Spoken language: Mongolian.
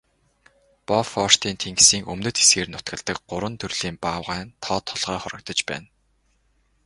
Бофортын тэнгисийн өмнөд хэсгээр нутагладаг гурван төрлийн баавгайн тоо толгой хорогдож байна.